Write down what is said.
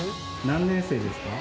何年生ですか？